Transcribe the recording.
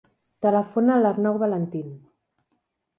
Telefona a l'Arnau Valentin.